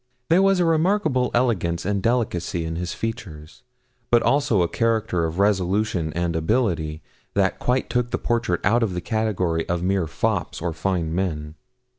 There was a remarkable elegance and a delicacy in the features, but also a character of resolution and ability that quite took the portrait out of the category of mere fops or fine men.